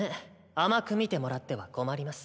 甘く見てもらっては困ります。